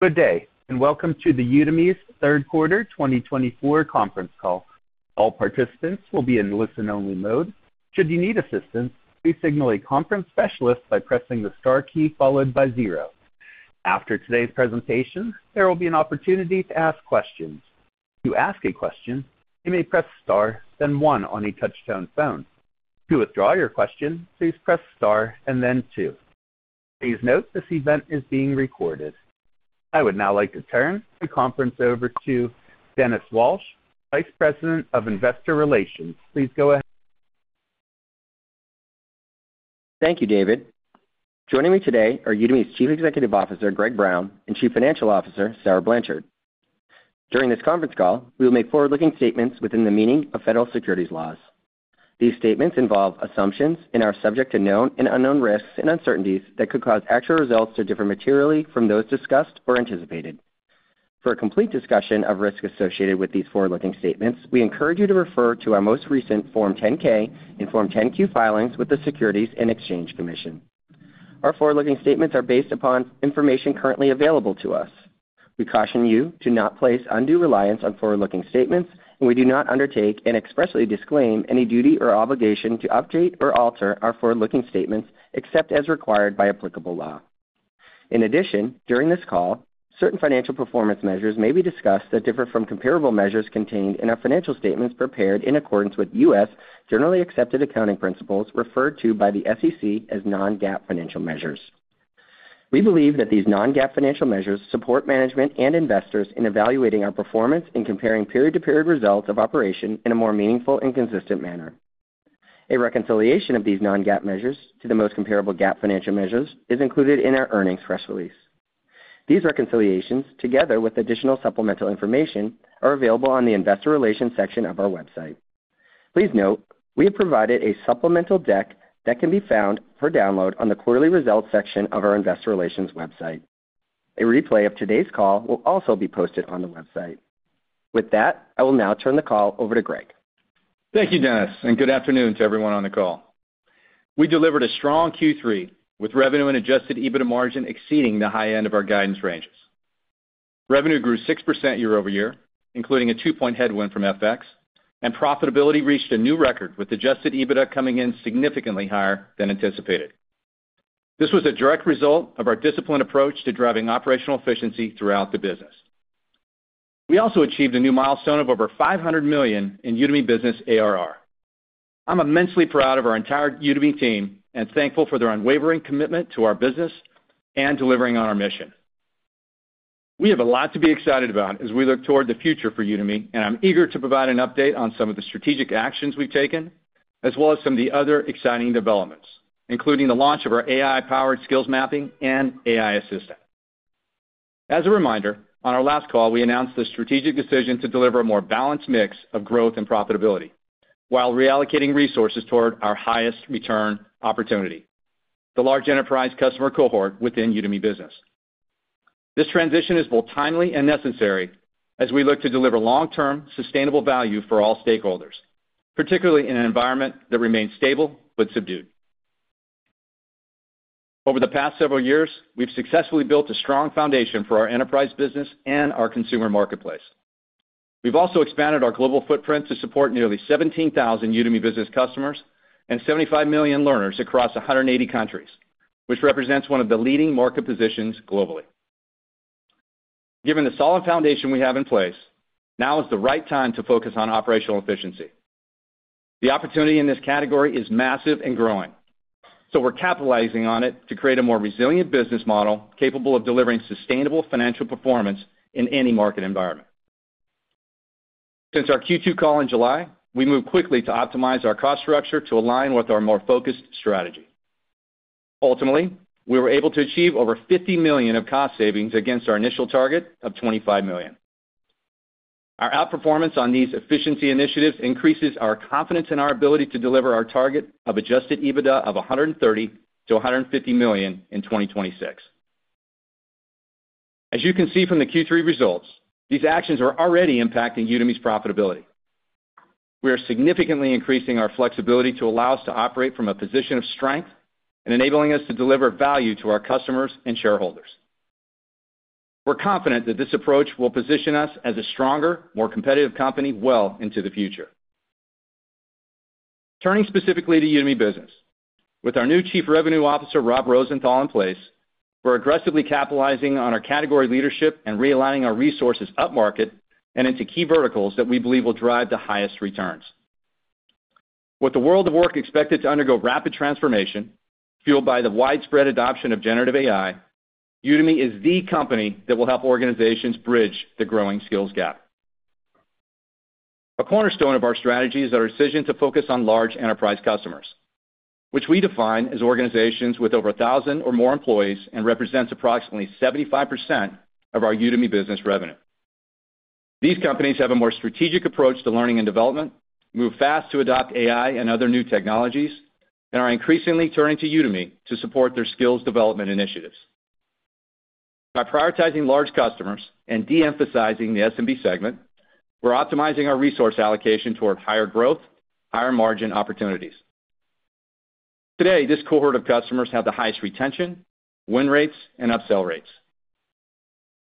Good day, and welcome to Udemy's third quarter 2024 conference call. All participants will be in listen-only mode. Should you need assistance, please signal a conference specialist by pressing the star key followed by zero. After today's presentation, there will be an opportunity to ask questions. To ask a question, you may press star, then one on a touch-tone phone. To withdraw your question, please press star and then two. Please note this event is being recorded. I would now like to turn the conference over to Dennis Walsh, Vice President of Investor Relations. Please go ahead. Thank you, David. Joining me today are Udemy's Chief Executive Officer, Greg Brown, and Chief Financial Officer, Sarah Blanchard. During this conference call, we will make forward-looking statements within the meaning of federal securities laws. These statements involve assumptions and are subject to known and unknown risks and uncertainties that could cause actual results to differ materially from those discussed or anticipated. For a complete discussion of risks associated with these forward-looking statements, we encourage you to refer to our most recent Form 10-K and Form 10-Q filings with the Securities and Exchange Commission. Our forward-looking statements are based upon information currently available to us. We caution you to not place undue reliance on forward-looking statements, and we do not undertake and expressly disclaim any duty or obligation to update or alter our forward-looking statements except as required by applicable law. In addition, during this call, certain financial performance measures may be discussed that differ from comparable measures contained in our financial statements prepared in accordance with U.S. generally accepted accounting principles referred to by the SEC as non-GAAP financial measures. We believe that these non-GAAP financial measures support management and investors in evaluating our performance and comparing period-to-period results of operation in a more meaningful and consistent manner. A reconciliation of these non-GAAP measures to the most comparable GAAP financial measures is included in our earnings press release. These reconciliations, together with additional supplemental information, are available on the Investor Relations section of our website. Please note we have provided a supplemental deck that can be found for download on the quarterly results section of our Investor Relations website. A replay of today's call will also be posted on the website. With that, I will now turn the call over to Greg. Thank you, Dennis, and good afternoon to everyone on the call. We delivered a strong Q3 with revenue and Adjusted EBITDA margin exceeding the high end of our guidance ranges. Revenue grew 6% year-over-year, including a two-point headwind from FX, and profitability reached a new record with Adjusted EBITDA coming in significantly higher than anticipated. This was a direct result of our disciplined approach to driving operational efficiency throughout the business. We also achieved a new milestone of over $500 million in Udemy Business ARR. I'm immensely proud of our entire Udemy team and thankful for their unwavering commitment to our business and delivering on our mission. We have a lot to be excited about as we look toward the future for Udemy, and I'm eager to provide an update on some of the strategic actions we've taken, as well as some of the other exciting developments, including the launch of our AI-powered skills mapping and AI assistant. As a reminder, on our last call, we announced the strategic decision to deliver a more balanced mix of growth and profitability while reallocating resources toward our highest return opportunity: the large Enterprise customer cohort within Udemy Business. This transition is both timely and necessary as we look to deliver long-term sustainable value for all stakeholders, particularly in an environment that remains stable but subdued. Over the past several years, we've successfully built a strong foundation for our Enterprise business and our Consumer marketplace. We've also expanded our global footprint to support nearly 17,000 Udemy Business customers and 75 million learners across 180 countries, which represents one of the leading market positions globally. Given the solid foundation we have in place, now is the right time to focus on operational efficiency. The opportunity in this category is massive and growing, so we're capitalizing on it to create a more resilient business model capable of delivering sustainable financial performance in any market environment. Since our Q2 call in July, we moved quickly to optimize our cost structure to align with our more focused strategy. Ultimately, we were able to achieve over $50 million of cost savings against our initial target of $25 million. Our outperformance on these efficiency initiatives increases our confidence in our ability to deliver our target of Adjusted EBITDA of $130 million-$150 million in 2026. As you can see from the Q3 results, these actions are already impacting Udemy's profitability. We are significantly increasing our flexibility to allow us to operate from a position of strength and enabling us to deliver value to our customers and shareholders. We're confident that this approach will position us as a stronger, more competitive company well into the future. Turning specifically to Udemy Business, with our new Chief Revenue Officer, Rob Rosenthal, in place, we're aggressively capitalizing on our category leadership and realigning our resources upmarket and into key verticals that we believe will drive the highest returns. With the world of work expected to undergo rapid transformation, fueled by the widespread adoption of generative AI, Udemy is the company that will help organizations bridge the growing skills gap. A cornerstone of our strategy is our decision to focus on large Enterprise customers, which we define as organizations with over 1,000 or more employees and represents approximately 75% of our Udemy Business revenue. These companies have a more strategic approach to learning and development, move fast to adopt AI and other new technologies, and are increasingly turning to Udemy to support their skills development initiatives. By prioritizing large customers and de-emphasizing the SMB segment, we're optimizing our resource allocation toward higher growth, higher margin opportunities. Today, this cohort of customers has the highest retention, win rates, and upsell rates.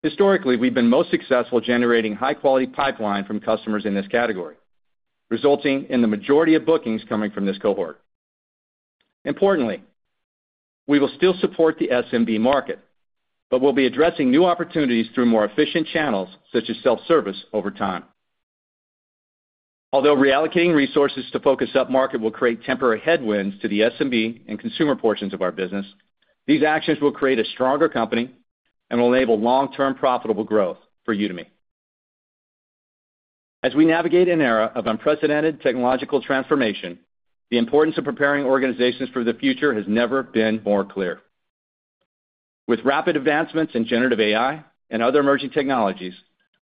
Historically, we've been most successful generating high-quality pipeline from customers in this category, resulting in the majority of bookings coming from this cohort. Importantly, we will still support the SMB market, but we'll be addressing new opportunities through more efficient channels such as self-service over time. Although reallocating resources to focus upmarket will create temporary headwinds to the SMB and Consumer portions of our business, these actions will create a stronger company and will enable long-term profitable growth for Udemy. As we navigate an era of unprecedented technological transformation, the importance of preparing organizations for the future has never been more clear. With rapid advancements in generative AI and other emerging technologies,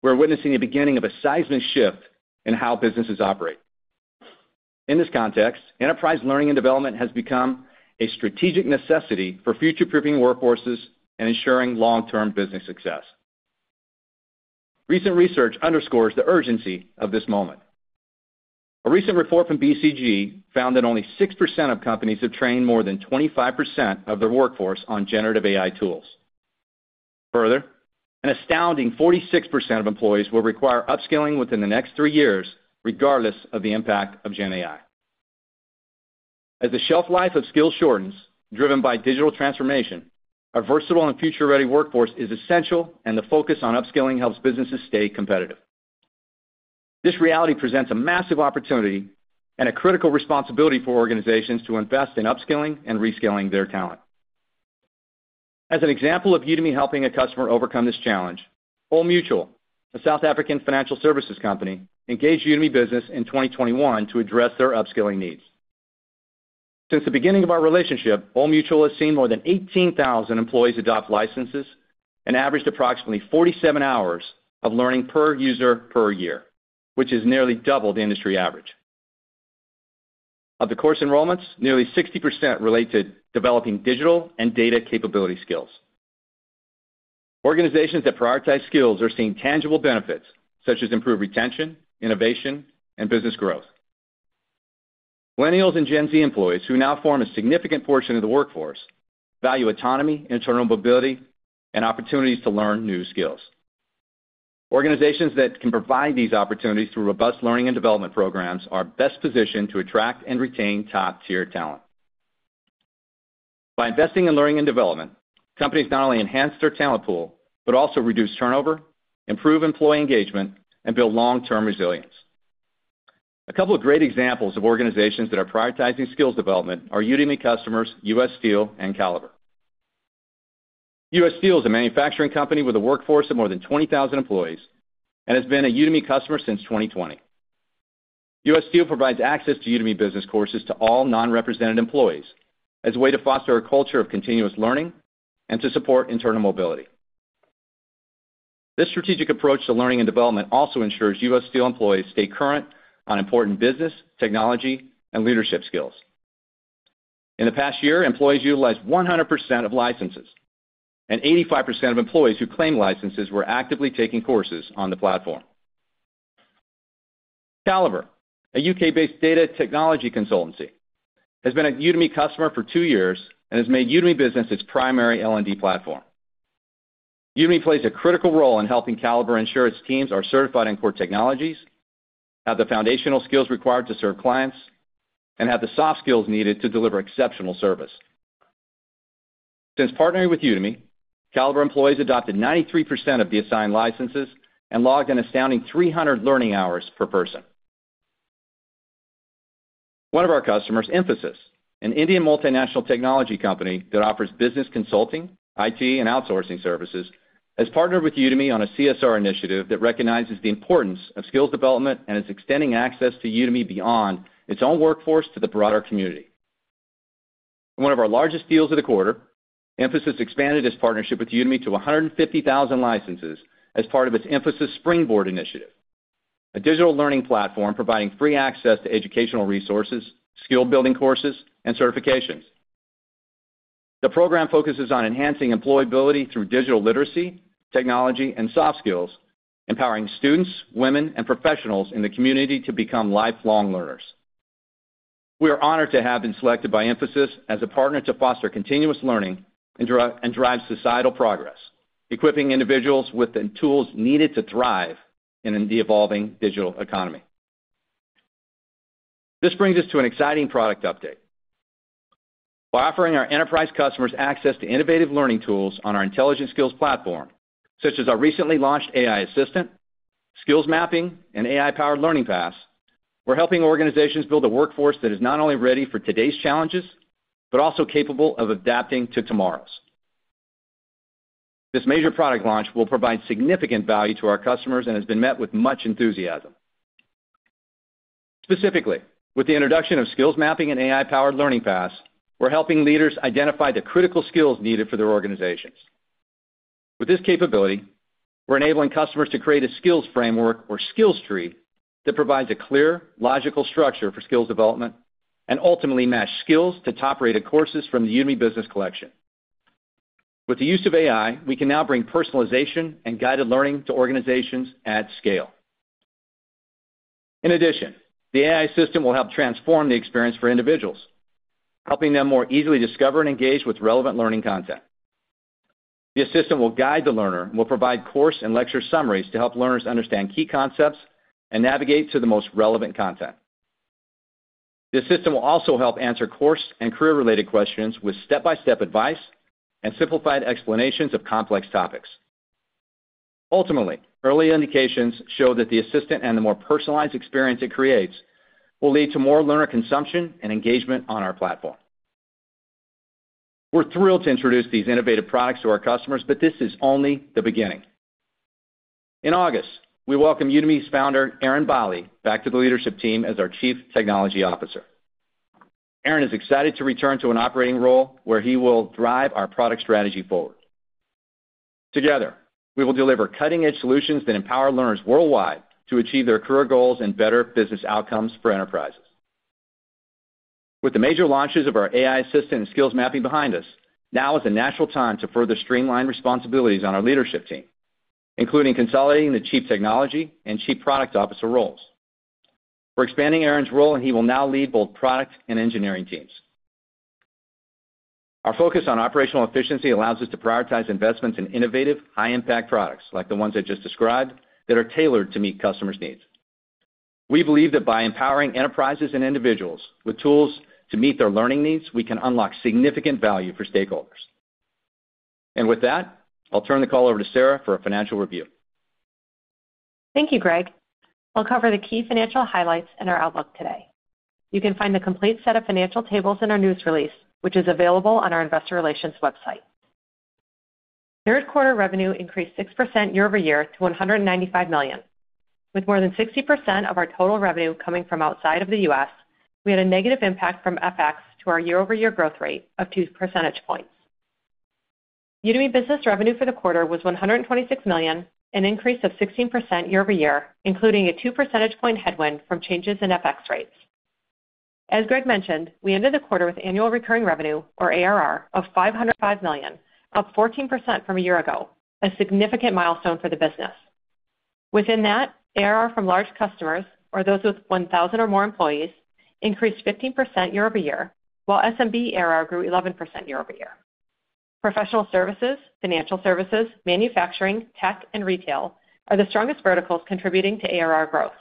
we're witnessing the beginning of a seismic shift in how businesses operate. In this context, Enterprise learning and development has become a strategic necessity for future-proofing workforces and ensuring long-term business success. Recent research underscores the urgency of this moment. A recent report from BCG found that only 6% of companies have trained more than 25% of their workforce on generative AI tools. Further, an astounding 46% of employees will require upskilling within the next three years, regardless of the impact of GenAI. As the shelf life of skills shortens, driven by digital transformation, a versatile and future-ready workforce is essential, and the focus on upskilling helps businesses stay competitive. This reality presents a massive opportunity and a critical responsibility for organizations to invest in upskilling and reskilling their talent. As an example of Udemy helping a customer overcome this challenge, Old Mutual, a South African financial services company, engaged Udemy Business in 2021 to address their upskilling needs. Since the beginning of our relationship, Old Mutual has seen more than 18,000 employees adopt licenses and averaged approximately 47 hours of learning per user per year, which is nearly double the industry average. Of the course enrollments, nearly 60% relate to developing digital and data capability skills. Organizations that prioritize skills are seeing tangible benefits such as improved retention, innovation, and business growth. Millennials and Gen Z employees who now form a significant portion of the workforce value autonomy, interoperability, and opportunities to learn new skills. Organizations that can provide these opportunities through robust learning and development programs are best positioned to attract and retain top-tier talent. By investing in learning and development, companies not only enhance their talent pool but also reduce turnover, improve employee engagement, and build long-term resilience. A couple of great examples of organizations that are prioritizing skills development are Udemy customers U.S. Steel and Calybre. U.S. Steel is a manufacturing company with a workforce of more than 20,000 employees and has been a Udemy customer since 2020. U.S. Steel provides access to Udemy Business courses to all non-represented employees as a way to foster a culture of continuous learning and to support internal mobility. This strategic approach to learning and development also ensures U.S. Steel employees stay current on important business, technology, and leadership skills. In the past year, employees utilized 100% of licenses, and 85% of employees who claimed licenses were actively taking courses on the platform. Calybre, a U.K.-based data technology consultancy, has been a Udemy customer for two years and has made Udemy Business its primary L&D platform. Udemy plays a critical role in helping Calybre ensure its teams are certified in core technologies, have the foundational skills required to serve clients, and have the soft skills needed to deliver exceptional service. Since partnering with Udemy, Calybre employees adopted 93% of the assigned licenses and logged an astounding 300 learning hours per person. One of our customers, Infosys, an Indian multinational technology company that offers business consulting, IT, and outsourcing services, has partnered with Udemy on a CSR initiative that recognizes the importance of skills development and is extending access to Udemy beyond its own workforce to the broader community. In one of our largest deals of the quarter, Infosys expanded its partnership with Udemy to 150,000 licenses as part of its Infosys Springboard initiative, a digital learning platform providing free access to educational resources, skill-building courses, and certifications. The program focuses on enhancing employability through digital literacy, technology, and soft skills, empowering students, women, and professionals in the community to become lifelong learners. We are honored to have been selected by Infosys as a partner to foster continuous learning and drive societal progress, equipping individuals with the tools needed to thrive in the evolving digital economy. This brings us to an exciting product update. By offering our Enterprise customers access to innovative learning tools on our intelligent skills platform, such as our recently launched AI assistant, skills mapping, and AI-powered learning paths, we're helping organizations build a workforce that is not only ready for today's challenges but also capable of adapting to tomorrow's. This major product launch will provide significant value to our customers and has been met with much enthusiasm. Specifically, with the introduction of skills mapping and AI-powered learning paths, we're helping leaders identify the critical skills needed for their organizations. With this capability, we're enabling customers to create a skills framework or skills tree that provides a clear, logical structure for skills development and ultimately match skills to top-rated courses from the Udemy Business collection. With the use of AI, we can now bring personalization and guided learning to organizations at scale. In addition, the AI assistant will help transform the experience for individuals, helping them more easily discover and engage with relevant learning content. The assistant will guide the learner and will provide course and lecture summaries to help learners understand key concepts and navigate to the most relevant content. The assistant will also help answer course and career-related questions with step-by-step advice and simplified explanations of complex topics. Ultimately, early indications show that the assistant and the more personalized experience it creates will lead to more learner consumption and engagement on our platform. We're thrilled to introduce these innovative products to our customers, but this is only the beginning. In August, we welcome Udemy's founder, Eren Bali, back to the leadership team as our Chief Technology Officer. Eren is excited to return to an operating role where he will drive our product strategy forward. Together, we will deliver cutting-edge solutions that empower learners worldwide to achieve their career goals and better business outcomes for Enterprises. With the major launches of our AI assistant and skills mapping behind us, now is a natural time to further streamline responsibilities on our leadership team, including consolidating the Chief Technology and Chief Product Officer roles. We're expanding Eren's role, and he will now lead both product and engineering teams. Our focus on operational efficiency allows us to prioritize investments in innovative, high-impact products like the ones I just described that are tailored to meet customers' needs. We believe that by empowering Enterprises and individuals with tools to meet their learning needs, we can unlock significant value for stakeholders, and with that, I'll turn the call over to Sarah for a financial review. Thank you, Greg. I'll cover the key financial highlights in our outlook today. You can find the complete set of financial tables in our news release, which is available on our Investor Relations website. Third quarter revenue increased 6% year-over-year to $195 million. With more than 60% of our total revenue coming from outside of the U.S., we had a negative impact from FX to our year-over-year growth rate of 2 percentage points. Udemy Business revenue for the quarter was $126 million, an increase of 16% year-over-year, including a 2 percentage point headwind from changes in FX rates. As Greg mentioned, we ended the quarter with annual recurring revenue, or ARR, of $505 million, up 14% from a year ago, a significant milestone for the business. Within that, ARR from large customers, or those with 1,000 or more employees, increased 15% year-over-year, while SMB ARR grew 11% year-over-year. Professional services, financial services, manufacturing, tech, and retail are the strongest verticals contributing to ARR growth.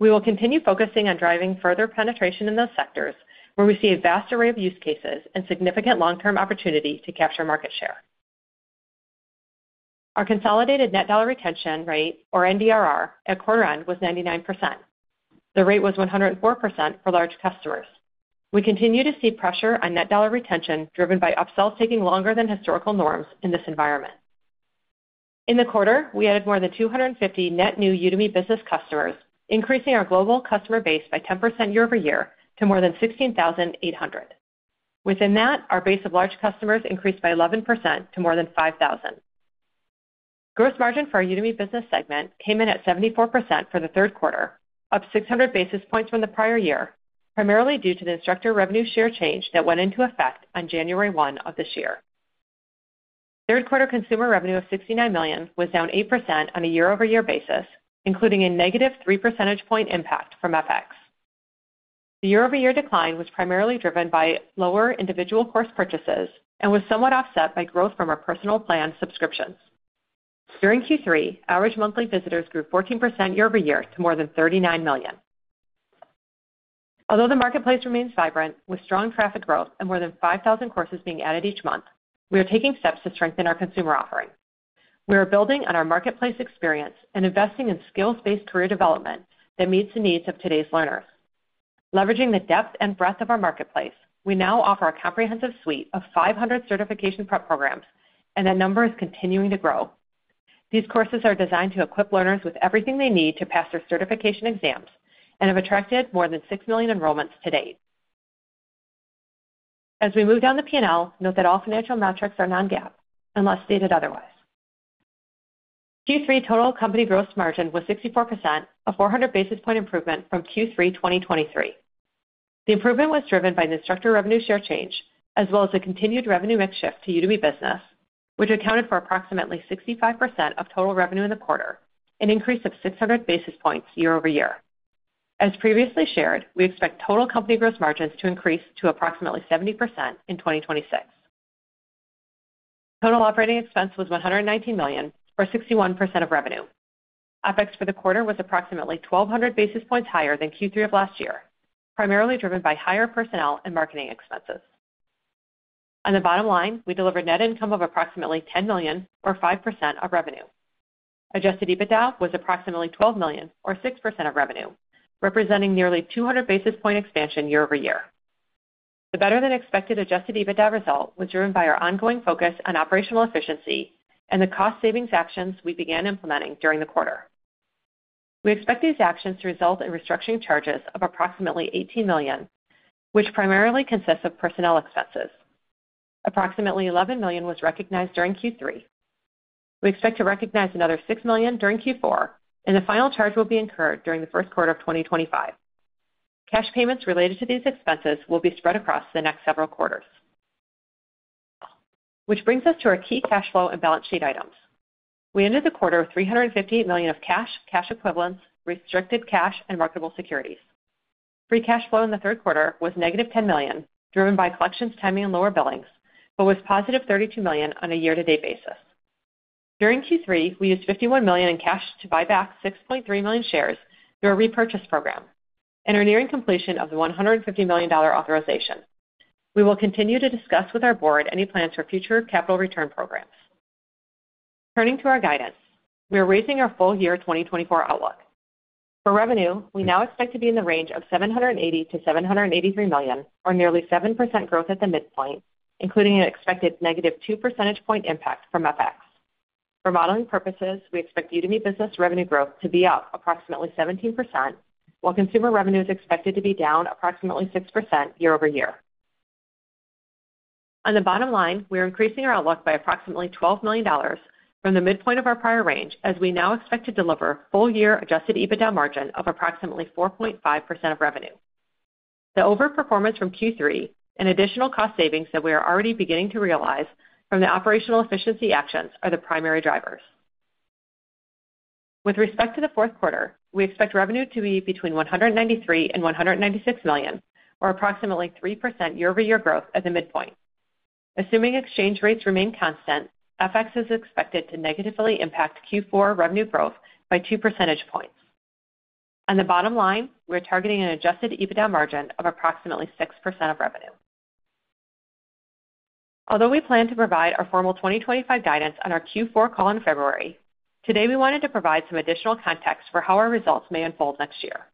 We will continue focusing on driving further penetration in those sectors where we see a vast array of use cases and significant long-term opportunity to capture market share. Our consolidated net dollar retention rate, or NDRR, at quarter-end was 99%. The rate was 104% for large customers. We continue to see pressure on net dollar retention driven by upsells taking longer than historical norms in this environment. In the quarter, we added more than 250 net new Udemy Business customers, increasing our global customer base by 10% year-over-year to more than 16,800. Within that, our base of large customers increased by 11% to more than 5,000. Gross margin for our Udemy Business segment came in at 74% for the third quarter, up 600 basis points from the prior year, primarily due to the instructor revenue share change that went into effect on January 1 of this year. Third quarter Consumer revenue of $69 million was down 8% on a year-over-year basis, including a -3 percentage point impact from FX. The year-over-year decline was primarily driven by lower individual course purchases and was somewhat offset by growth from our personal plan subscriptions. During Q3, average monthly visitors grew 14% year-over-year to more than 39 million. Although the marketplace remains vibrant, with strong traffic growth and more than 5,000 courses being added each month, we are taking steps to strengthen our Consumer offering. We are building on our marketplace experience and investing in skills-based career development that meets the needs of today's learners. Leveraging the depth and breadth of our marketplace, we now offer a comprehensive suite of 500 certification prep programs, and that number is continuing to grow. These courses are designed to equip learners with everything they need to pass their certification exams and have attracted more than 6 million enrollments to date. As we move down the P&L, note that all financial metrics are Non-GAAP, unless stated otherwise. Q3 total company gross margin was 64%, a 400 basis points improvement from Q3 2023. The improvement was driven by the instructor revenue share change, as well as the continued revenue mix shift to Udemy Business, which accounted for approximately 65% of total revenue in the quarter, an increase of 600 basis points year-over-year. As previously shared, we expect total company gross margins to increase to approximately 70% in 2026. Total operating expense was $119 million, or 61% of revenue. FX for the quarter was approximately 1,200 basis points higher than Q3 of last year, primarily driven by higher personnel and marketing expenses. On the bottom line, we delivered net income of approximately $10 million, or 5% of revenue. Adjusted EBITDA was approximately $12 million, or 6% of revenue, representing nearly 200 basis point expansion year-over-year. The better-than-expected Adjusted EBITDA result was driven by our ongoing focus on operational efficiency and the cost-savings actions we began implementing during the quarter. We expect these actions to result in restructuring charges of approximately $18 million, which primarily consist of personnel expenses. Approximately $11 million was recognized during Q3. We expect to recognize another $6 million during Q4, and the final charge will be incurred during the first quarter of 2025. Cash payments related to these expenses will be spread across the next several quarters. Which brings us to our key cash flow and balance sheet items. We ended the quarter with $358 million of cash, cash equivalents, restricted cash, and marketable securities. Free cash flow in the third quarter was -$10 million, driven by collections timing and lower billings, but was positive $32 million on a year-to-date basis. During Q3, we used $51 million in cash to buy back 6.3 million shares through a repurchase program and are nearing completion of the $150 million authorization. We will continue to discuss with our board any plans for future capital return programs. Turning to our guidance, we are raising our full-year 2024 outlook. For revenue, we now expect to be in the range of $780 million-$783 million, or nearly 7% growth at the midpoint, including an expected -2 percentage point impact from FX. For modeling purposes, we expect Udemy Business revenue growth to be up approximately 17%, while Consumer revenue is expected to be down approximately 6% year-over-year. On the bottom line, we are increasing our outlook by approximately $12 million from the midpoint of our prior range, as we now expect to deliver full-year Adjusted EBITDA margin of approximately 4.5% of revenue. The overall performance from Q3 and additional cost savings that we are already beginning to realize from the operational efficiency actions are the primary drivers. With respect to the fourth quarter, we expect revenue to be between $193 million-$196 million, or approximately 3% year-over-year growth at the midpoint. Assuming exchange rates remain constant, FX is expected to negatively impact Q4 revenue growth by 2 percentage points. On the bottom line, we are targeting an Adjusted EBITDA margin of approximately 6% of revenue. Although we plan to provide our formal 2025 guidance on our Q4 call in February, today we wanted to provide some additional context for how our results may unfold next year.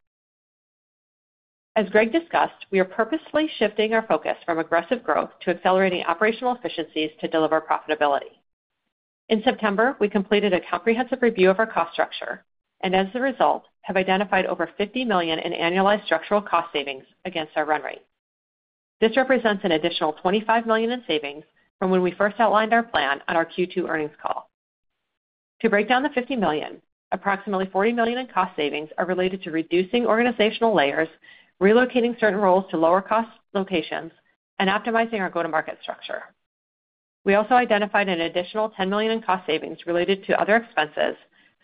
As Greg discussed, we are purposefully shifting our focus from aggressive growth to accelerating operational efficiencies to deliver profitability. In September, we completed a comprehensive review of our cost structure and, as a result, have identified over $50 million in annualized structural cost savings against our run rate. This represents an additional $25 million in savings from when we first outlined our plan on our Q2 earnings call. To break down the $50 million, approximately $40 million in cost savings are related to reducing organizational layers, relocating certain roles to lower-cost locations, and optimizing our go-to-market structure. We also identified an additional $10 million in cost savings related to other expenses,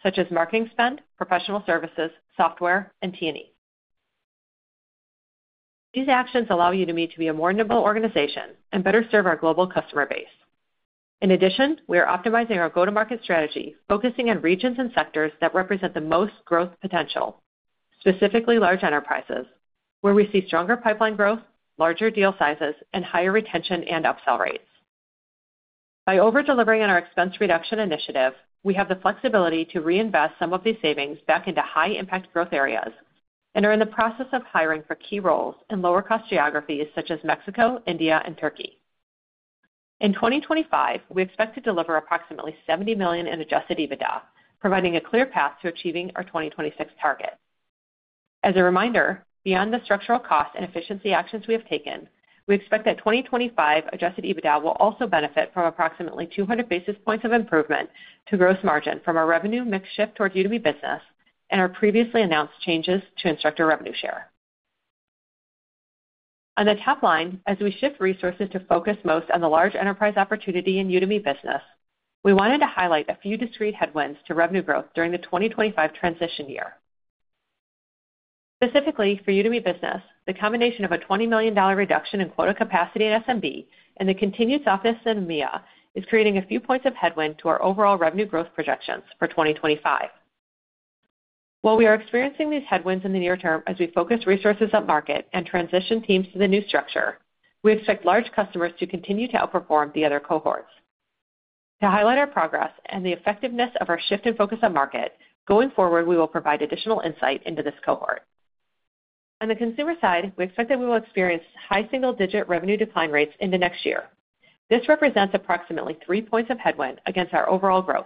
such as marketing spend, professional services, software, and T&E. These actions allow Udemy to be a more nimble organization and better serve our global customer base. In addition, we are optimizing our go-to-market strategy, focusing on regions and sectors that represent the most growth potential, specifically large Enterprises, where we see stronger pipeline growth, larger deal sizes, and higher retention and upsell rates. By over-delivering on our expense reduction initiative, we have the flexibility to reinvest some of these savings back into high-impact growth areas and are in the process of hiring for key roles in lower-cost geographies such as Mexico, India, and Turkey. In 2025, we expect to deliver approximately $70 million in Adjusted EBITDA, providing a clear path to achieving our 2026 target. As a reminder, beyond the structural cost and efficiency actions we have taken, we expect that 2025 Adjusted EBITDA will also benefit from approximately 200 basis points of improvement to gross margin from our revenue mix shift towards Udemy Business and our previously announced changes to instructor revenue share. On the top line, as we shift resources to focus most on the large Enterprise opportunity in Udemy Business, we wanted to highlight a few discrete headwinds to revenue growth during the 2025 transition year. Specifically, for Udemy Business, the combination of a $20 million reduction in quota capacity at SMB and the continued softness in EMEA is creating a few points of headwind to our overall revenue growth projections for 2025. While we are experiencing these headwinds in the near term as we focus resources at market and transition teams to the new structure, we expect large customers to continue to outperform the other cohorts. To highlight our progress and the effectiveness of our shift in focus at market, going forward, we will provide additional insight into this cohort. On the Consumer side, we expect that we will experience high single-digit revenue decline rates in the next year. This represents approximately 3 points of headwind against our overall growth.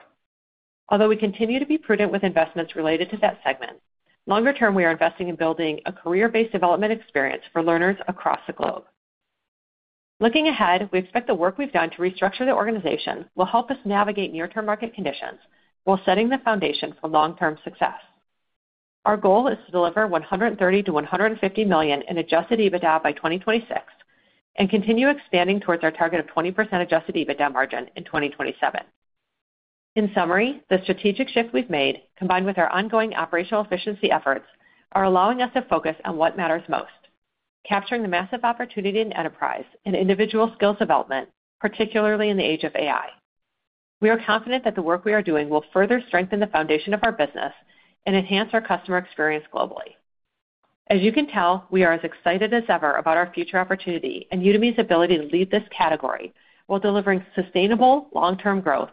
Although we continue to be prudent with investments related to that segment, longer-term, we are investing in building a career-based development experience for learners across the globe. Looking ahead, we expect the work we've done to restructure the organization will help us navigate near-term market conditions while setting the foundation for long-term success. Our goal is to deliver $130 million-$150 million in Adjusted EBITDA by 2026 and continue expanding towards our target of 20% Adjusted EBITDA margin in 2027. In summary, the strategic shift we've made, combined with our ongoing operational efficiency efforts, are allowing us to focus on what matters most: capturing the massive opportunity in Enterprise and individual skills development, particularly in the age of AI. We are confident that the work we are doing will further strengthen the foundation of our business and enhance our customer experience globally. As you can tell, we are as excited as ever about our future opportunity and Udemy's ability to lead this category while delivering sustainable long-term growth,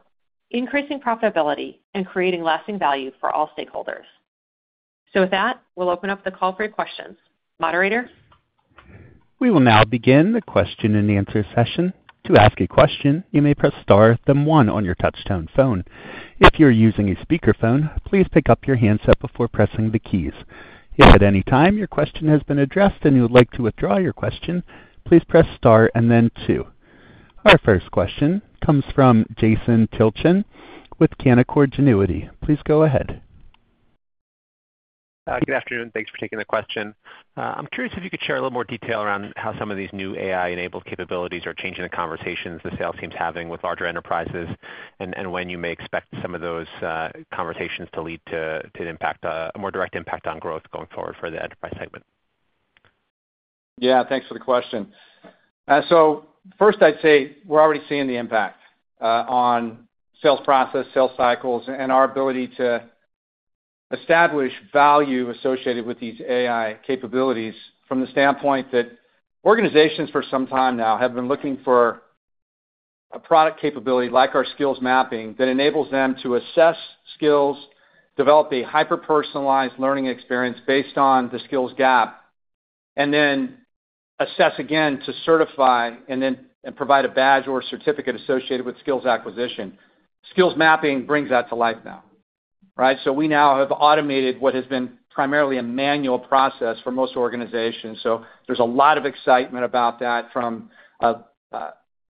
increasing profitability, and creating lasting value for all stakeholders. So with that, we'll open up the call for your questions. Moderator? We will now begin the question-and-answer session. To ask a question, you may press star then one on your touch-tone phone. If you're using a speakerphone, please pick up your handset before pressing the keys. If at any time your question has been addressed and you would like to withdraw your question, please press star and then two. Our first question comes from Jason Tilchen with Canaccord Genuity. Please go ahead. Good afternoon. Thanks for taking the question. I'm curious if you could share a little more detail around how some of these new AI-enabled capabilities are changing the conversations the sales team's having with larger Enterprises and when you may expect some of those conversations to lead to an impact, a more direct impact on growth going forward for the Enterprise segment. Yeah. Thanks for the question. So first, I'd say we're already seeing the impact on sales process, sales cycles, and our ability to establish value associated with these AI capabilities from the standpoint that organizations for some time now have been looking for a product capability like our skills mapping that enables them to assess skills, develop a hyper-personalized learning experience based on the skills gap, and then assess again to certify and then provide a badge or certificate associated with skills acquisition. Skills mapping brings that to life now, right? So we now have automated what has been primarily a manual process for most organizations. So there's a lot of excitement about that from an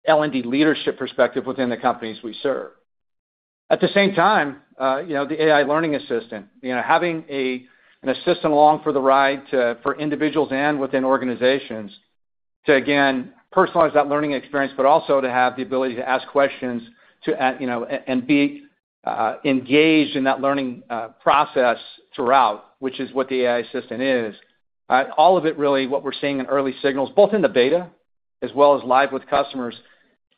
L&D leadership perspective within the companies we serve. At the same time, the AI learning assistant, having an assistant along for the ride for individuals and within organizations to, again, personalize that learning experience, but also to have the ability to ask questions and be engaged in that learning process throughout, which is what the AI assistant is. All of it, really, what we're seeing in early signals, both in the beta as well as live with customers,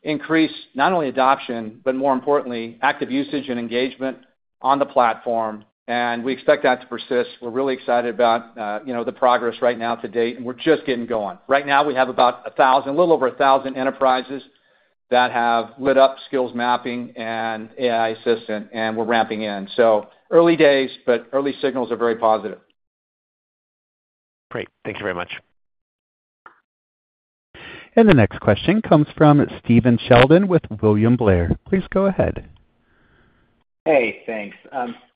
increase not only adoption, but more importantly, active usage and engagement on the platform, and we expect that to persist. We're really excited about the progress right now to date, and we're just getting going. Right now, we have about a thousand, a little over a thousand Enterprises that have lit up skills mapping and AI assistant, and we're ramping in, early days, but early signals are very positive. Great. Thank you very much. And the next question comes from Stephen Sheldon with William Blair. Please go ahead. Hey, thanks.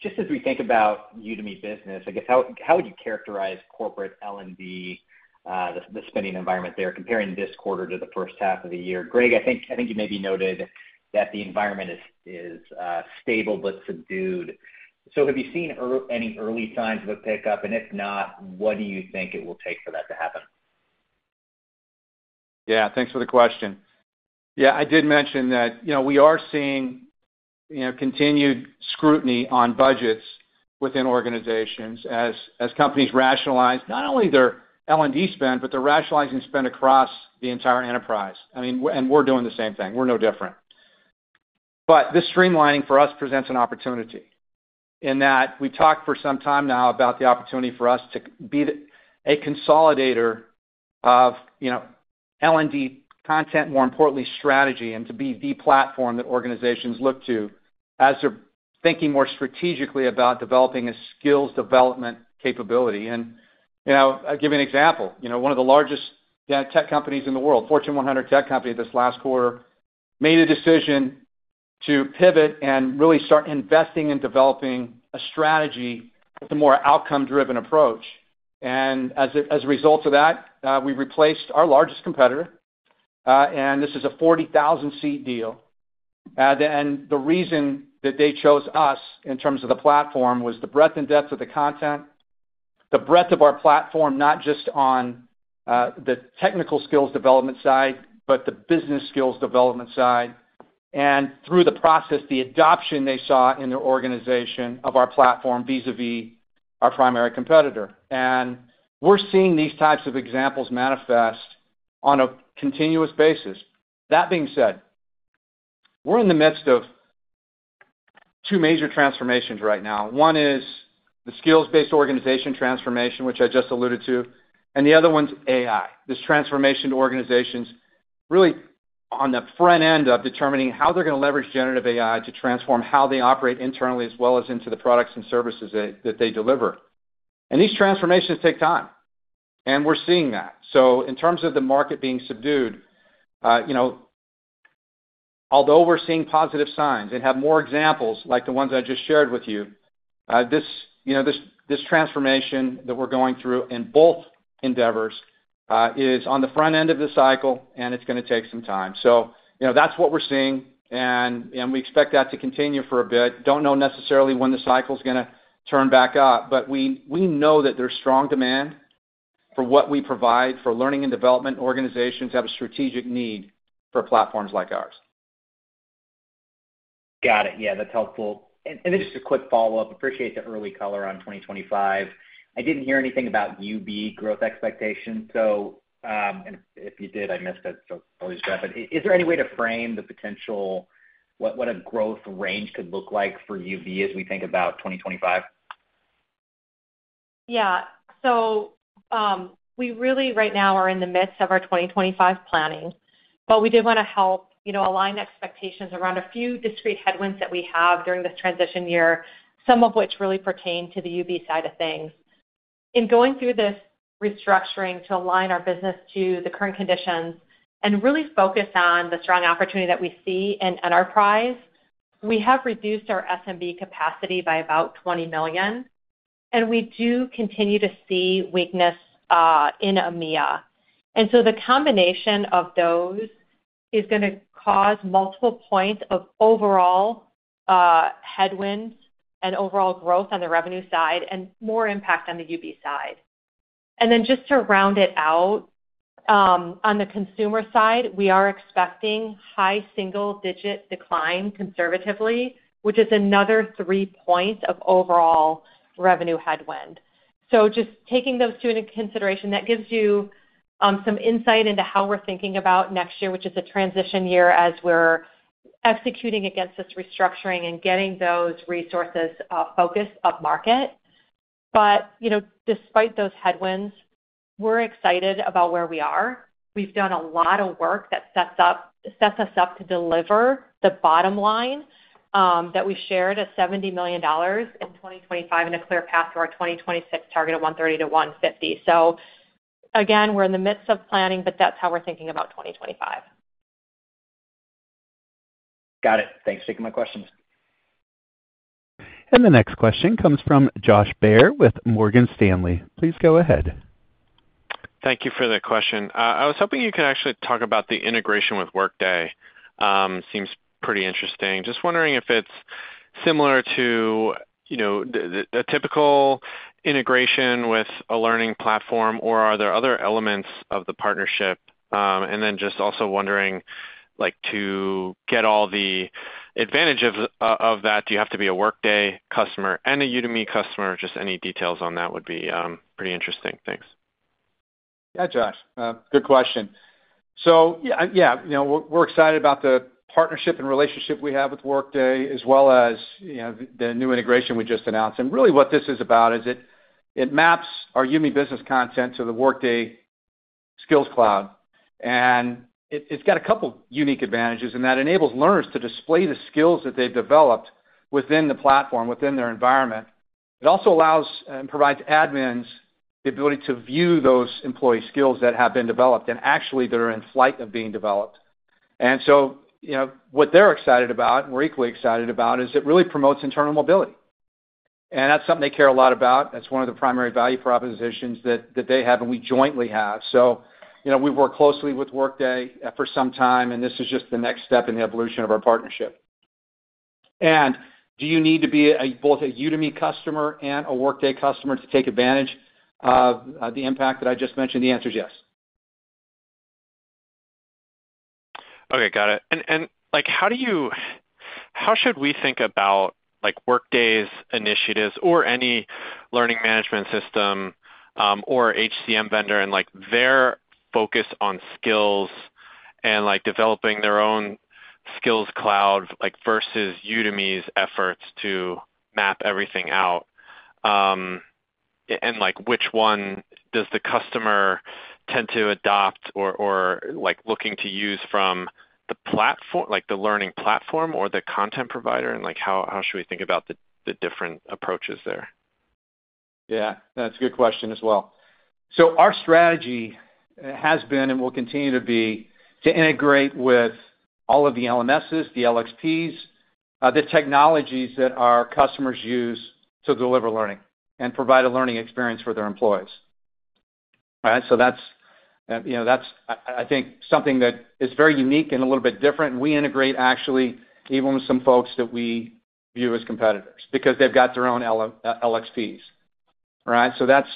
Just as we think about Udemy Business, I guess how would you characterize corporate L&D, the spending environment there, comparing this quarter to the first half of the year? Greg, I think you maybe noted that the environment is stable but subdued. So have you seen any early signs of a pickup? And if not, what do you think it will take for that to happen? Yeah. Thanks for the question. Yeah. I did mention that we are seeing continued scrutiny on budgets within organizations as companies rationalize not only their L&D spend, but they're rationalizing spend across the entire Enterprise. I mean, and we're doing the same thing. We're no different. But this streamlining for us presents an opportunity in that we've talked for some time now about the opportunity for us to be a consolidator of L&D content, more importantly, strategy, and to be the platform that organizations look to as they're thinking more strategically about developing a skills development capability. And I'll give you an example. One of the largest tech companies in the world, Fortune 100 tech company, this last quarter made a decision to pivot and really start investing in developing a strategy with a more outcome-driven approach. And as a result of that, we replaced our largest competitor, and this is a 40,000-seat deal. And the reason that they chose us in terms of the platform was the breadth and depth of the content, the breadth of our platform, not just on the technical skills development side, but the business skills development side, and through the process, the adoption they saw in their organization of our platform vis-à-vis our primary competitor. And we're seeing these types of examples manifest on a continuous basis. That being said, we're in the midst of two major transformations right now. One is the skills-based organization transformation, which I just alluded to, and the other one's AI, this transformation to organizations really on the front end of determining how they're going to leverage generative AI to transform how they operate internally as well as into the products and services that they deliver. And these transformations take time, and we're seeing that. So in terms of the market being subdued, although we're seeing positive signs and have more examples like the ones I just shared with you, this transformation that we're going through in both endeavors is on the front end of the cycle, and it's going to take some time. So that's what we're seeing, and we expect that to continue for a bit. Don't know necessarily when the cycle's going to turn back up, but we know that there's strong demand for what we provide for learning and development organizations to have a strategic need for platforms like ours. Got it. Yeah. That's helpful. And just a quick follow-up. Appreciate the early color on 2025. I didn't hear anything about UB growth expectations. So if you did, I missed it, so apologies for that. But is there any way to frame the potential, what a growth range could look like for UB as we think about 2025? Yeah. So we really right now are in the midst of our 2025 planning, but we did want to help align expectations around a few discrete headwinds that we have during this transition year, some of which really pertain to the UB side of things. In going through this restructuring to align our business to the current conditions and really focus on the strong opportunity that we see in Enterprise, we have reduced our SMB capacity by about $20 million, and we do continue to see weakness in EMEA. And so the combination of those is going to cause multiple points of overall headwinds and overall growth on the revenue side and more impact on the UB side. And then just to round it out, on the Consumer side, we are expecting high single-digit decline conservatively, which is another three points of overall revenue headwind. So just taking those two into consideration, that gives you some insight into how we're thinking about next year, which is a transition year as we're executing against this restructuring and getting those resources focused up market. But despite those headwinds, we're excited about where we are. We've done a lot of work that sets us up to deliver the bottom line that we shared of $70 million in 2025 and a clear path to our 2026 target of 130 million-150 million. So again, we're in the midst of planning, but that's how we're thinking about 2025. Got it. Thanks for taking my questions. And the next question comes from Josh Baer with Morgan Stanley. Please go ahead. Thank you for the question. I was hoping you could actually talk about the integration with Workday. Seems pretty interesting. Just wondering if it's similar to a typical integration with a learning platform, or are there other elements of the partnership? And then just also wondering, to get all the advantage of that, do you have to be a Workday customer and a Udemy customer? Just any details on that would be pretty interesting. Thanks. Yeah, Josh. Good question. So yeah, we're excited about the partnership and relationship we have with Workday as well as the new integration we just announced. And really what this is about is it maps our Udemy Business content to the Workday Skills Cloud. And it's got a couple of unique advantages, and that enables learners to display the skills that they've developed within the platform, within their environment. It also allows and provides admins the ability to view those employee skills that have been developed and actually that are in flight of being developed. And so what they're excited about, and we're equally excited about, is it really promotes internal mobility. And that's something they care a lot about. That's one of the primary value propositions that they have and we jointly have. So we've worked closely with Workday for some time, and this is just the next step in the evolution of our partnership. And do you need to be both a Udemy customer and a Workday customer to take advantage of the impact that I just mentioned? The answer's yes. Okay. Got it. And how should we think about Workday's initiatives or any learning management system or HCM vendor and their focus on skills and developing their own Skills Cloud versus Udemy's efforts to map everything out? And which one does the customer tend to adopt or looking to use from the learning platform or the content provider? And how should we think about the different approaches there? Yeah. That's a good question as well. So our strategy has been and will continue to be to integrate with all of the LMSs, the LXPs, the technologies that our customers use to deliver learning and provide a learning experience for their employees. All right? So that's, I think, something that is very unique and a little bit different. We integrate actually even with some folks that we view as competitors because they've got their own LXPs. All right? So that's,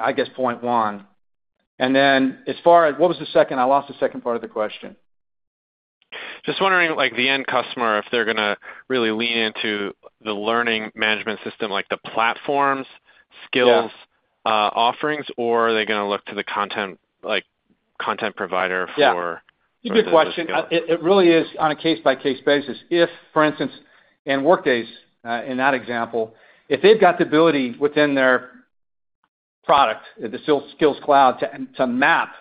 I guess, point one. And then as far as what was the second? I lost the second part of the question. Just wondering the end customer, if they're going to really lean into the learning management system, the platforms, skills offerings, or are they going to look to the content provider for? Yeah. Good question. It really is on a case-by-case basis. If, for instance, in Workday's in that example, if they've got the ability within their product, the Skills Cloud, to map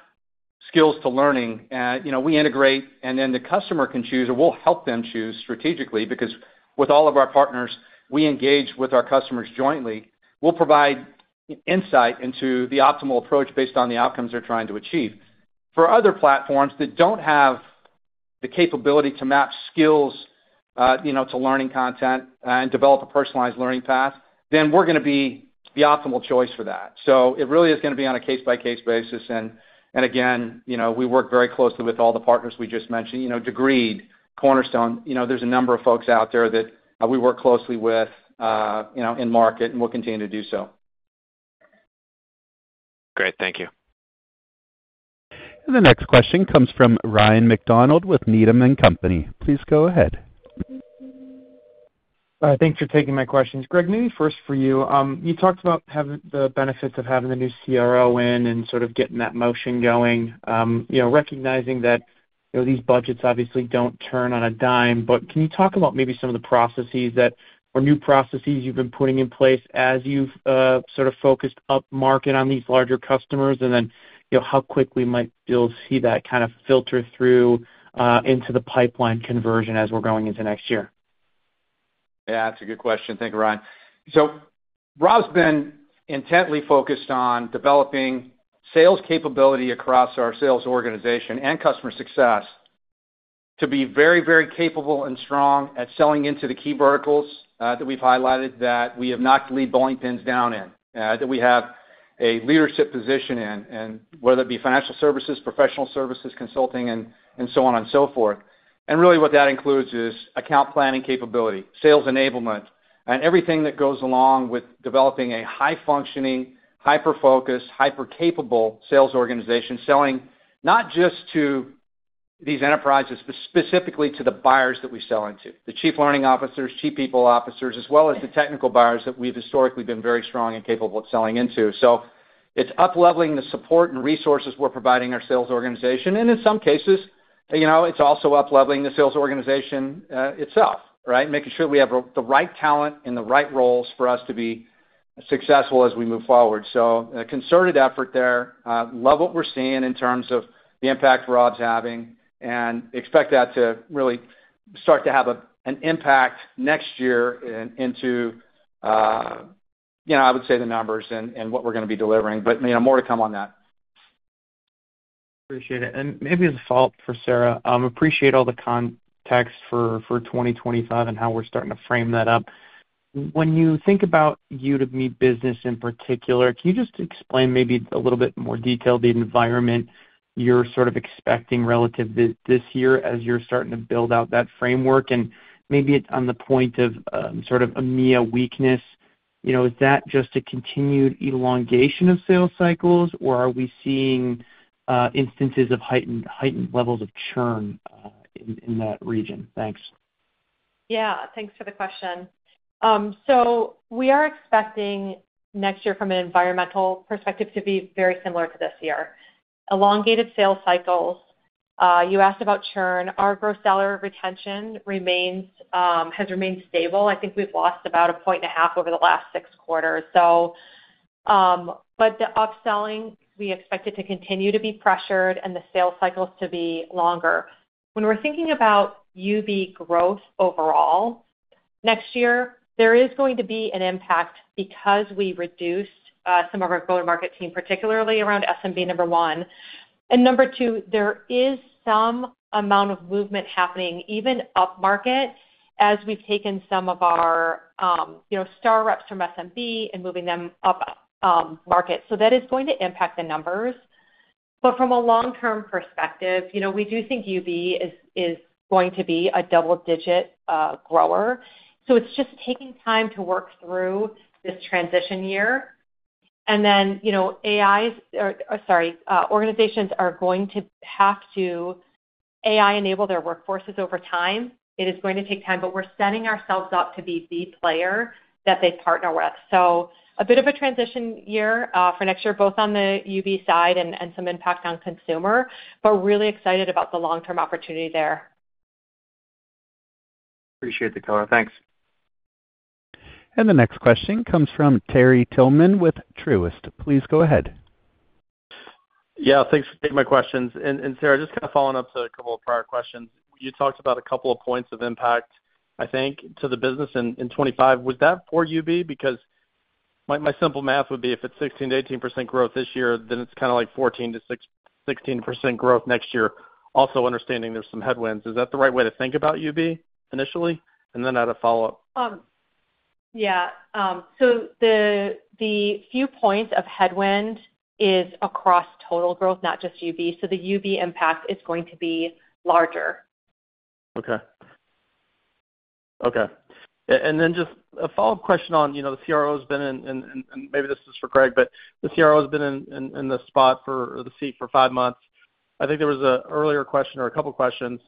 skills to learning, we integrate, and then the customer can choose, or we'll help them choose strategically because with all of our partners, we engage with our customers jointly. We'll provide insight into the optimal approach based on the outcomes they're trying to achieve. For other platforms that don't have the capability to map skills to learning content and develop a personalized learning path, then we're going to be the optimal choice for that. So it really is going to be on a case-by-case basis. And again, we work very closely with all the partners we just mentioned, Degreed, Cornerstone. There's a number of folks out there that we work closely with in market, and we'll continue to do so. Great. Thank you. And the next question comes from Ryan MacDonald with Needham & Company. Please go ahead. Thanks for taking my questions. Greg, maybe first for you. You talked about the benefits of having the new CRO in and sort of getting that motion going, recognizing that these budgets obviously don't turn on a dime. But can you talk about maybe some of the processes or new processes you've been putting in place as you've sort of focused up market on these larger customers and then how quickly might you see that kind of filter through into the pipeline conversion as we're going into next year? Yeah. That's a good question. Thank you, Ryan. So Rob has been intently focused on developing sales capability across our sales organization and customer success to be very, very capable and strong at selling into the key verticals that we've highlighted that we have not to leave bowling pins down in, that we have a leadership position in, whether that be financial services, professional services, consulting, and so on and so forth. And really what that includes is account planning capability, sales enablement, and everything that goes along with developing a high-functioning, hyper-focused, hyper-capable sales organization selling not just to these Enterprises, but specifically to the buyers that we sell into, the Chief Learning Officers, Chief People Officers, as well as the technical buyers that we've historically been very strong and capable of selling into. So it's upleveling the support and resources we're providing our sales organization. And in some cases, it's also upleveling the sales organization itself, right? Making sure that we have the right talent in the right roles for us to be successful as we move forward. So a concerted effort there. Love what we're seeing in terms of the impact Rob is having and expect that to really start to have an impact next year into, I would say, the numbers and what we're going to be delivering. But more to come on that. Appreciate it. And maybe as a follow-up for Sarah, I appreciate all the context for 2025 and how we're starting to frame that up. When you think about Udemy Business in particular, can you just explain maybe a little bit more detail the environment you're sort of expecting relative to this year as you're starting to build out that framework? And maybe on the point of sort of EMEA weakness, is that just a continued elongation of sales cycles, or are we seeing instances of heightened levels of churn in that region? Thanks. Yeah. Thanks for the question. So we are expecting next year from an environmental perspective to be very similar to this year. Elongated sales cycles. You asked about churn. Our gross dollar retention has remained stable. I think we've lost about a point and a half over the last six quarters. But the upselling, we expect it to continue to be pressured and the sales cycles to be longer. When we're thinking about UB growth overall next year, there is going to be an impact because we reduced some of our go-to-market team, particularly around SMB number one. And number two, there is some amount of movement happening even up market as we've taken some of our star reps from SMB and moving them up market. So that is going to impact the numbers. But from a long-term perspective, we do think UB is going to be a double-digit grower. So it's just taking time to work through this transition year. And then AIs or, sorry, organizations are going to have to AI-enable their workforces over time. It is going to take time, but we're setting ourselves up to be the player that they partner with. So a bit of a transition year for next year, both on the UB side and some impact on Consumer, but really excited about the long-term opportunity there. Appreciate the color. Thanks. And the next question comes from Terry Tillman with Truist. Please go ahead. Yeah. Thanks for taking my questions. And Sarah, just kind of following up to a couple of prior questions. You talked about a couple of points of impact, I think, to the business in 2025. Was that for UB? Because my simple math would be if it's 16%-18% growth this year, then it's kind of like 14%-16% growth next year. Also understanding there's some headwinds. Is that the right way to think about UB initially? And then I had a follow-up. Yeah. So the few points of headwind is across total growth, not just UB. So the UB impact is going to be larger. Okay. Okay. And then just a follow-up question on the CRO has been in, and maybe this is for Greg, but the CRO has been in the spot for the seat for five months. I think there was an earlier question or a couple of questions.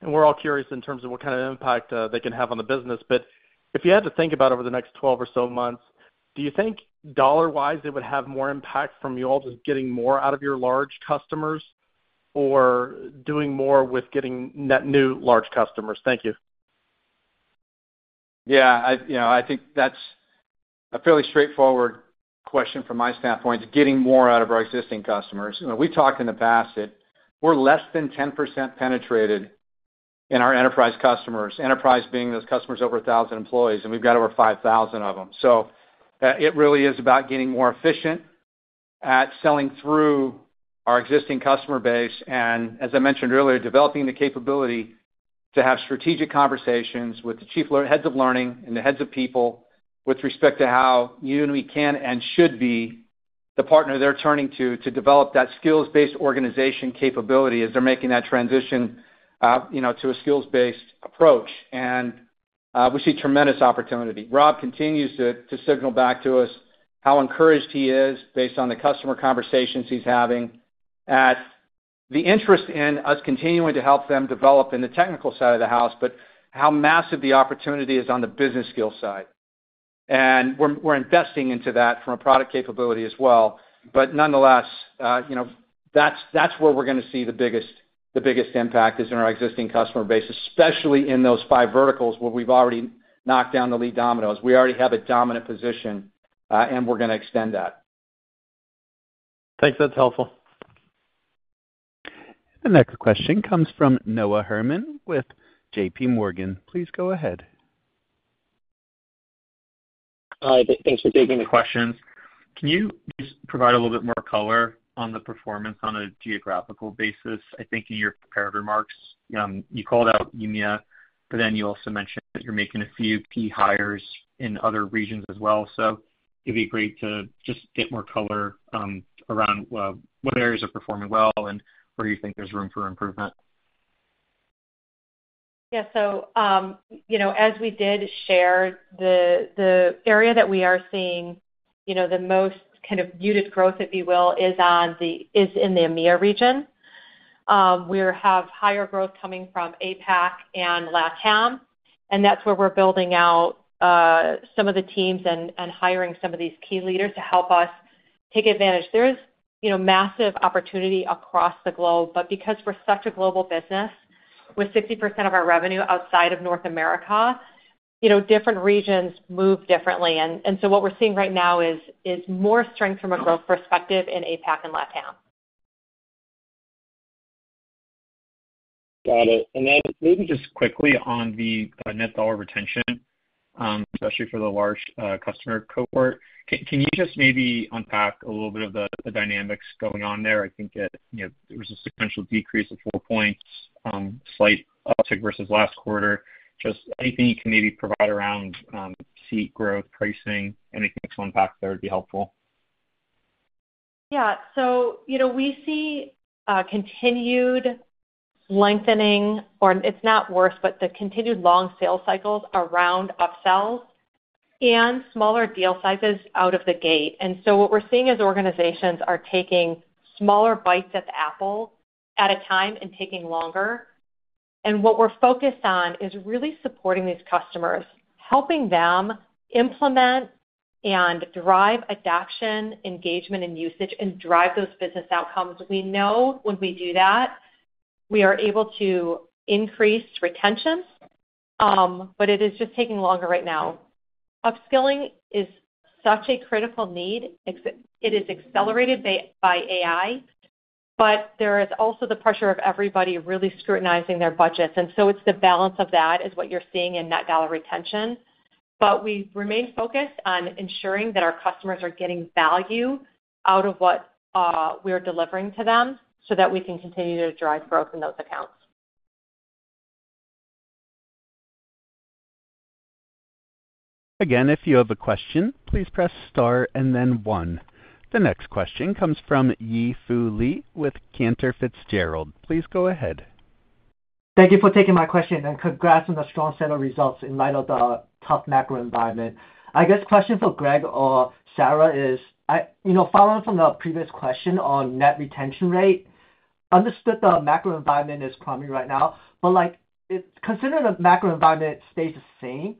And we're all curious in terms of what kind of impact they can have on the business. But if you had to think about over the next 12 or so months, do you think dollar-wise it would have more impact from you all just getting more out of your large customers or doing more with getting new large customers? Thank you. Yeah. I think that's a fairly straightforward question from my standpoint, getting more out of our existing customers. We've talked in the past that we're less than 10% penetrated in our Enterprise customers, Enterprise being those customers over 1,000 employees, and we've got over 5,000 of them. So it really is about getting more efficient at selling through our existing customer base and, as I mentioned earlier, developing the capability to have strategic conversations with the chief heads of learning and the heads of people with respect to how Udemy can and should be the partner they're turning to to develop that skills-based organization capability as they're making that transition to a skills-based approach. And we see tremendous opportunity. Rob continues to signal back to us how encouraged he is based on the customer conversations he's having and the interest in us continuing to help them develop in the technical side of the house, but how massive the opportunity is on the business skills side. And we're investing into that from a product capability as well. But nonetheless, that's where we're going to see the biggest impact is in our existing customer base, especially in those five verticals where we've already knocked down the lead dominoes. We already have a dominant position, and we're going to extend that. Thanks. That's helpful. The next question comes from Noah Herman with JPMorgan. Please go ahead. Hi. Thanks for taking the questions. Can you just provide a little bit more color on the performance on a geographical basis? I think in your comparative remarks, you called out EMEA, but then you also mentioned that you're making a few key hires in other regions as well. So it'd be great to just get more color around what areas are performing well and where you think there's room for improvement. Yeah. So as we did share, the area that we are seeing the most kind of muted growth, if you will, is in the EMEA region. We have higher growth coming from APAC and LATAM. And that's where we're building out some of the teams and hiring some of these key leaders to help us take advantage. There is massive opportunity across the globe. But because we're such a global business with 60% of our revenue outside of North America, different regions move differently. And so what we're seeing right now is more strength from a growth perspective in APAC and LATAM. Got it. And then maybe just quickly on the net dollar retention, especially for the large customer cohort, can you just maybe unpack a little bit of the dynamics going on there? I think there was a substantial decrease of four points, slight uptick versus last quarter. Just anything you can maybe provide around seat growth, pricing, anything to unpack there would be helpful. Yeah, so we see continued lengthening, or it's not worse, but the continued long sales cycles around upsells and smaller deal sizes out of the gate, and so what we're seeing as organizations are taking smaller bites at the apple at a time and taking longer. And what we're focused on is really supporting these customers, helping them implement and drive adoption, engagement, and usage, and drive those business outcomes. We know when we do that, we are able to increase retention, but it is just taking longer right now. Upskilling is such a critical need. It is accelerated by AI, but there is also the pressure of everybody really scrutinizing their budgets, and so it's the balance of that is what you're seeing in net dollar retention. But we remain focused on ensuring that our customers are getting value out of what we're delivering to them so that we can continue to drive growth in those accounts. Again, if you have a question, please press star and then one. The next question comes from Yi Fu Lee with Cantor Fitzgerald. Please go ahead. Thank you for taking my question and congrats on the strong set of results in light of the tough macro environment. I guess question for Greg or Sarah is, following from the previous question on net retention rate, understood the macro environment is crumbling right now, but considering the macro environment stays the same,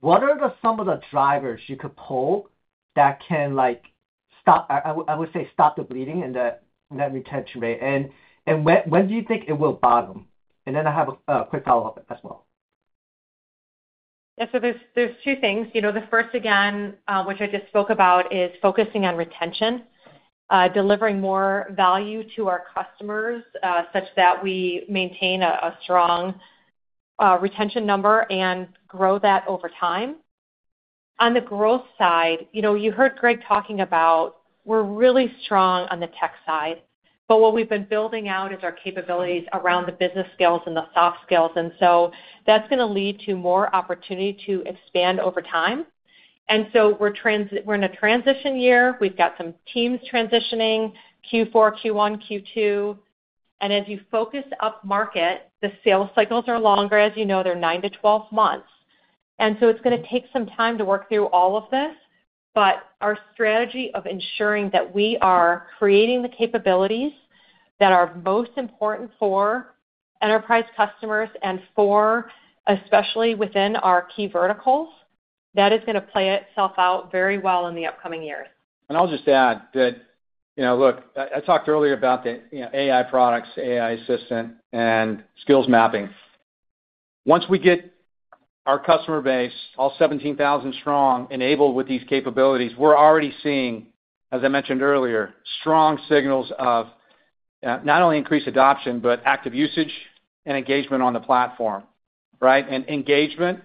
what are some of the drivers you could pull that can stop, I would say, stop the bleeding in that retention rate? And when do you think it will bottom? And then I have a quick follow-up as well. Yeah. So there's two things. The first, again, which I just spoke about, is focusing on retention, delivering more value to our customers such that we maintain a strong retention number and grow that over time. On the growth side, you heard Greg talking about we're really strong on the tech side, but what we've been building out is our capabilities around the business skills and the soft skills. And so that's going to lead to more opportunity to expand over time. And so we're in a transition year. We've got some teams transitioning, Q4, Q1, Q2. And as you focus up market, the sales cycles are longer. As you know, they're nine to 12 months. And so it's going to take some time to work through all of this. But our strategy of ensuring that we are creating the capabilities that are most important for Enterprise customers and for especially within our key verticals, that is going to play itself out very well in the upcoming years. And I'll just add that, look, I talked earlier about the AI products, AI assistant, and skills mapping. Once we get our customer base, all 17,000 strong, enabled with these capabilities, we're already seeing, as I mentioned earlier, strong signals of not only increased adoption, but active usage and engagement on the platform, right? And engagement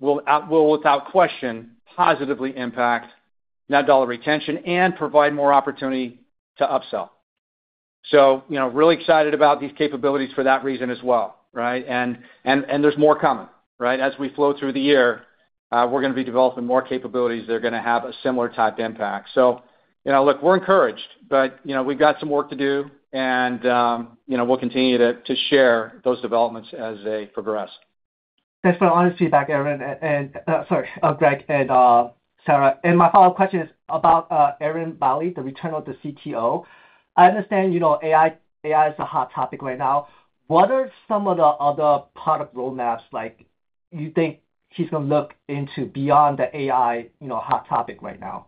will, without question, positively impact net dollar retention and provide more opportunity to upsell. So really excited about these capabilities for that reason as well, right? And there's more coming, right? As we flow through the year, we're going to be developing more capabilities that are going to have a similar type impact. So look, we're encouraged, but we've got some work to do, and we'll continue to share those developments as they progress. Thanks for the honest feedback, Eren. And sorry, Greg and Sarah. And my follow-up question is about Eren Bali, the return of the CTO. I understand AI is a hot topic right now. What are some of the other product roadmaps you think he's going to look into beyond the AI hot topic right now?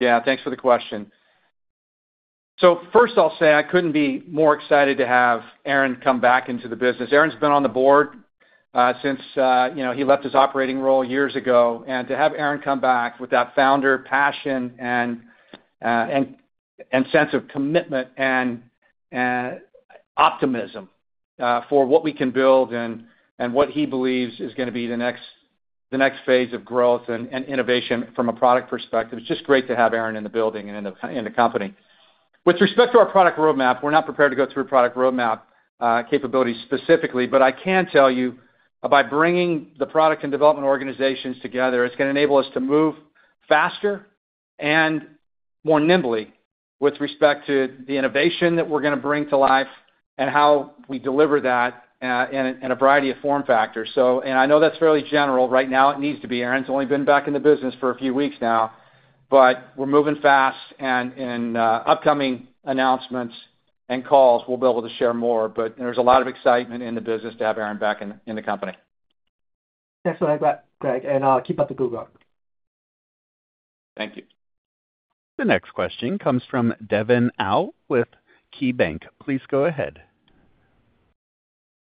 Yeah. Thanks for the question. So first, I'll say I couldn't be more excited to have Eren come back into the business. Eren's been on the board since he left his operating role years ago. And to have Eren come back with that founder passion and sense of commitment and optimism for what we can build and what he believes is going to be the next phase of growth and innovation from a product perspective, it's just great to have Eren in the building and in the company. With respect to our product roadmap, we're not prepared to go through product roadmap capabilities specifically, but I can tell you by bringing the product and development organizations together, it's going to enable us to move faster and more nimbly with respect to the innovation that we're going to bring to life and how we deliver that in a variety of form factors. And I know that's fairly general right now. It needs to be. Eren's only been back in the business for a few weeks now, but we're moving fast. In upcoming announcements and calls, we'll be able to share more. There's a lot of excitement in the business to have Eren back in the company. Thanks for that, Greg, and keep up the good work. Thank you. The next question comes from Devin Au with KeyBanc. Please go ahead.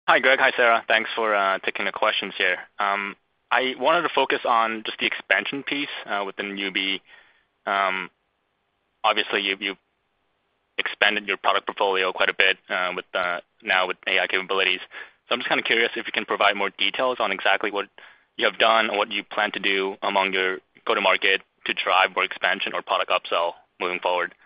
Hi, Greg. Hi, Sarah. Thanks for taking the questions here. I wanted to focus on just the expansion piece within Udemy. Obviously, you've expanded your product portfolio quite a bit now with AI capabilities. I'm just kind of curious if you can provide more details on exactly what you have done and what you plan to do among your go-to-market to drive more expansion or product upsell moving forward.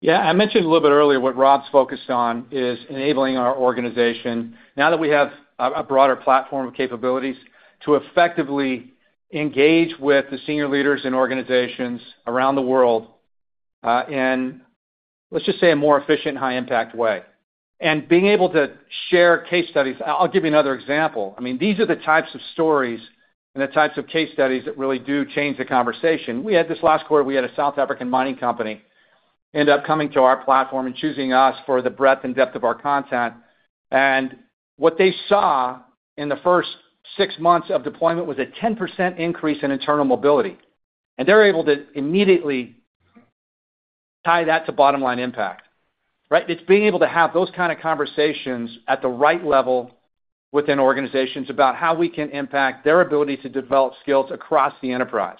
Yeah. I mentioned a little bit earlier what Rob's focused on is enabling our organization, now that we have a broader platform of capabilities, to effectively engage with the senior leaders and organizations around the world in, let's just say, a more efficient, high-impact way. And being able to share case studies. I'll give you another example. I mean, these are the types of stories and the types of case studies that really do change the conversation. We had this last quarter. We had a South African mining company end up coming to our platform and choosing us for the breadth and depth of our content. And what they saw in the first six months of deployment was a 10% increase in internal mobility. And they're able to immediately tie that to bottom-line impact, right? It's being able to have those kinds of conversations at the right level within organizations about how we can impact their ability to develop skills across the Enterprise,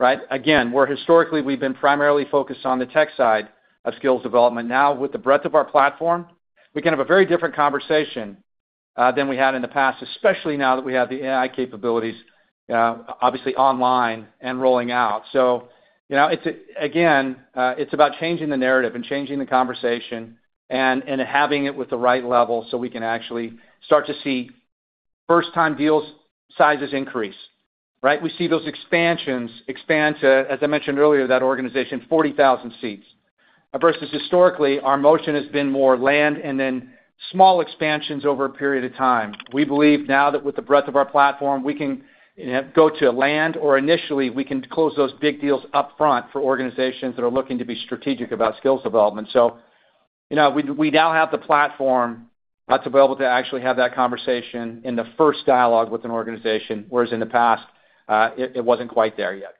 right? Again, where historically we've been primarily focused on the tech side of skills development, now with the breadth of our platform, we can have a very different conversation than we had in the past, especially now that we have the AI capabilities, obviously online and rolling out. So again, it's about changing the narrative and changing the conversation and having it with the right level so we can actually start to see first-time deal sizes increase, right? We see those expansions expand to, as I mentioned earlier, that organization, 40,000 seats. Versus historically, our motion has been more land and then small expansions over a period of time. We believe now that with the breadth of our platform, we can go to land or initially we can close those big deals upfront for organizations that are looking to be strategic about skills development. So we now have the platform that's available to actually have that conversation in the first dialogue with an organization, whereas in the past, it wasn't quite there yet.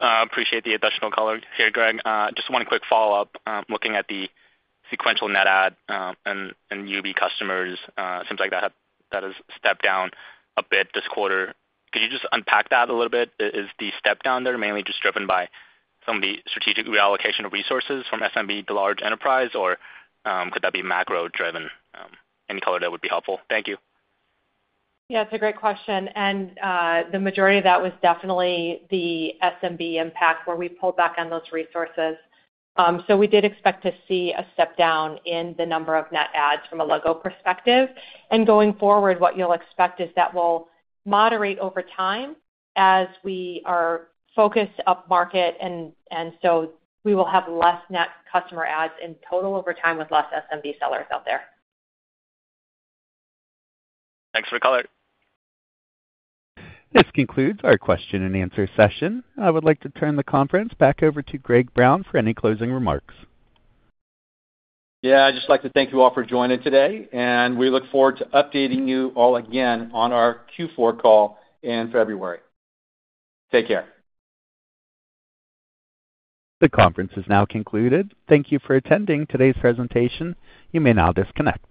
I appreciate the additional color here, Greg. Just one quick follow-up. Looking at the sequential net add and Udemy customers, it seems like that has stepped down a bit this quarter. Could you just unpack that a little bit? Is the step down there mainly just driven by some of the strategic reallocation of resources from SMB to large Enterprise, or could that be macro-driven? Any color that would be helpful? Thank you. Yeah. It's a great question. And the majority of that was definitely the SMB impact where we pulled back on those resources. So we did expect to see a step down in the number of net adds from a logo perspective. And going forward, what you'll expect is that will moderate over time as we are focused up market, and so we will have less net customer adds in total over time with less SMB sellers out there. Thanks for the color. This concludes our question-and-answer session. I would like to turn the conference back over to Greg Brown for any closing remarks. Yeah. I'd just like to thank you all for joining today, and we look forward to updating you all again on our Q4 call in February. Take care. The conference is now concluded. Thank you for attending today's presentation. You may now disconnect.